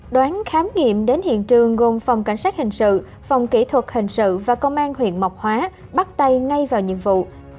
đoán khám nghiệm đến hiện trường gồm phòng cảnh sát hình sự phòng kỹ thuật hình sự và công an huyện mộc hóa bắt tay ngay vào nhiệm vụ